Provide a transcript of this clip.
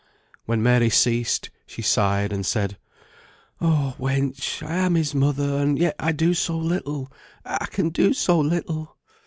When Mary ceased she sighed and said, "Oh wench! I am his mother, and yet I do so little, I can do so little!